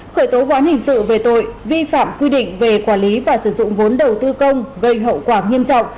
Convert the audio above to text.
khởi tố ván hình sự về tội vi phạm quy định về quản lý và sử dụng vốn đầu tư công gây hậu quả nghiêm trọng